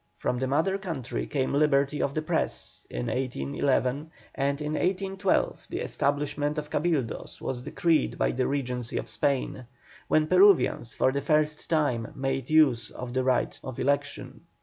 From the mother country came liberty of the press in 1811, and in 1812 the establishment of Cabildos was decreed by the Regency of Spain, when Peruvians for the first time made use of the right of election.